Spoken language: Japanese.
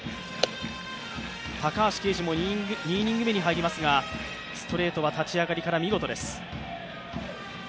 高橋奎二も２イニング目に入りますがストレートは立ち上がりから見事です。